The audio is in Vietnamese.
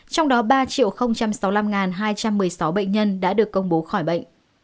trong đó ba sáu mươi năm hai trăm một mươi sáu bệnh nhân đã được công bố khỏi bệnh